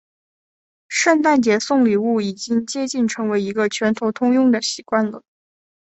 圣诞节送礼物已经接近成为一个全球通行的习惯了。